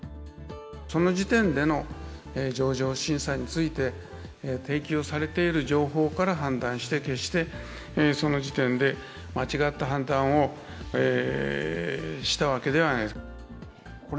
その時点での上場審査について、提供されている情報から判断して、決してその時点で間違った判断をしたわけではないです。